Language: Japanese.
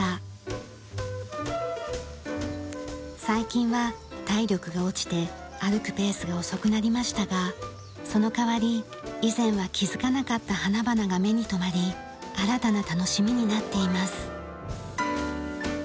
最近は体力が落ちて歩くペースが遅くなりましたがその代わり以前は気づかなかった花々が目に留まり新たな楽しみになっています。